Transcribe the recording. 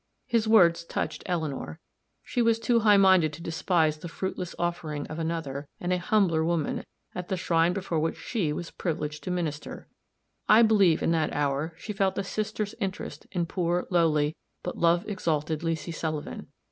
His words touched Eleanor; she was too high minded to despise the fruitless offering of another and a humbler woman at the shrine before which she was privileged to minister; I believe in that hour she felt a sister's interest in poor, lowly, but love exalted Leesy Sullivan.